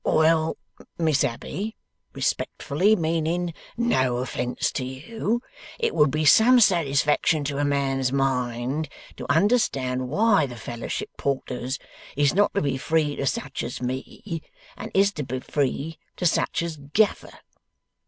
'Well, Miss Abbey, respectfully meaning no offence to you, it would be some satisfaction to a man's mind, to understand why the Fellowship Porters is not to be free to such as me, and is to be free to such as Gaffer.